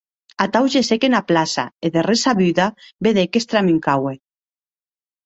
Atau gessec ena plaça e de ressabuda vedec qu'estramuncaue.